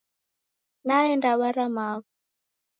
Naenda bara magho